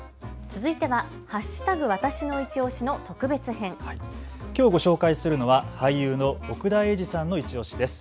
続いては＃わたしのいちオシの特別編、きょうご紹介するのは俳優の奥田瑛二さんのいちオシです。